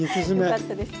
よかったです。